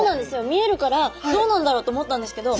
見えるからどうなんだろうと思ったんですけど。